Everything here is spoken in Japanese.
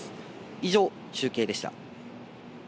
以上、中継でした。